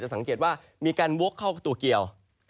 จะสังเกตว่ามีการโว๊คเข้าตัวเกี่ยว